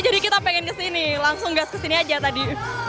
jadi kita pengen kesini langsung gas kesini aja tadi